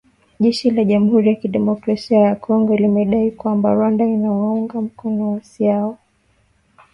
Jeshi la Jamhuri ya Kidemokrasia ya Kongo limedai kwamba, Rwanda inawaunga mkono waasi hao kutekeleza mashambulizi